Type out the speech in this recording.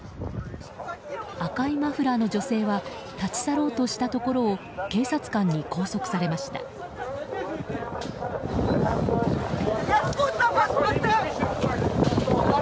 赤いマフラーの女性は立ち去ろうとしたところを警察官に拘束されました。